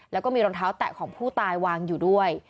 แล้วก็มีรองเท้าแตะของผู้ตายวางอยู่ด้วย